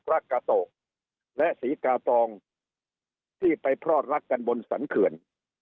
กระเกาะโตและศรีกาตองที่ไปพรอดรักกันบนสรรคื่น